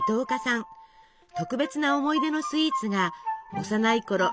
特別な思い出のスイーツが幼いころ